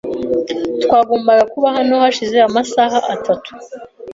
Twagombaga kuba hano hashize amasaha atatu .